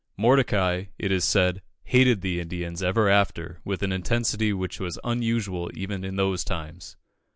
Mordecai, it is said, hated the Indians ever after with an intensity which was unusual even in those times.